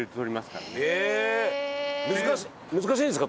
難しいんですか？